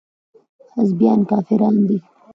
حزبيان کافران دي.